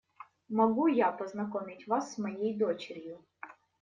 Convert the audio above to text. Могу я познакомить вас с моей дочерью?